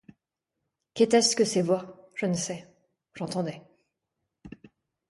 Qu’était-ce que ces voix ? je ne sais. — J’entendais.